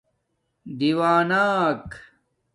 دِیونݳک